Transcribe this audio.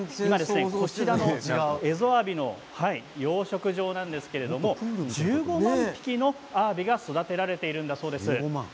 こちらのエゾアワビの養殖場なんですけれど１５万匹のあわびが育てられているそうです。